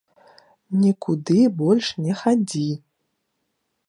Нікуды больш не хадзі.